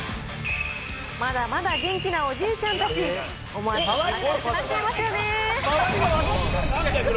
まだまだ元気なおじいちゃんたち、思わず明るくなっちゃいますよね。